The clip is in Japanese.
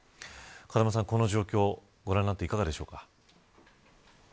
風間さん、この状況をご覧になっていかがでしょうか。